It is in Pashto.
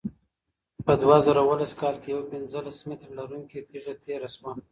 په دوه زره اوولس کال کې یوه پنځلس متره لرونکې تیږه تېره شوه.